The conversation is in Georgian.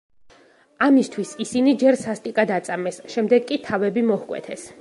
ამისთვის ისინი ჯერ სასტიკად აწამეს, შემდეგ კი თავები მოჰკვეთეს.